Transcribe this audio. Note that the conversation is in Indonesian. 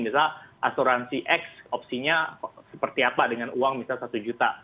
misalnya asuransi x opsinya seperti apa dengan uang misal satu juta